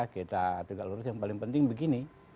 kita tegak lurus yang paling penting begini